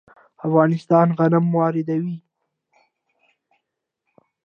افغانستان غنم واردوي.